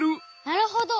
なるほど！